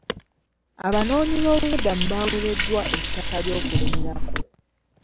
Abanooonyiboobubudamu bawereddwa ettaka ly'okulimirako.